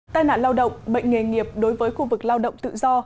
tai nạn lao động bệnh nghề nghiệp đối với khu vực lao động tự do